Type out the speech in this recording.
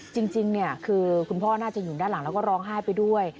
จริงคือคุณพ่อน่าจะอยู่ด้านหลังแล้วก็ร้องไห้ไปด้วย